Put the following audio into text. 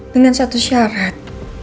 dengan satu syarat